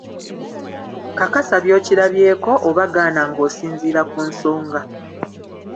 Kakasa by'okirabyeko, oba gaana ng'osinziira ku nsonga.